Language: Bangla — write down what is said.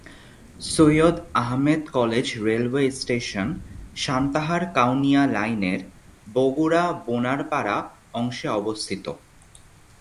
Syed Ahmed college railway station Santahar-Kaunia লাইনের বগুড়া-বোনারপাড়া অংশে অবস্থিত।